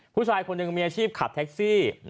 ผู้ชายคนหนึ่งมีอาชีพขับแท็กซี่